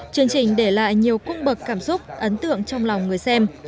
chương trình để lại nhiều cung bậc cảm xúc ấn tượng trong lòng người xem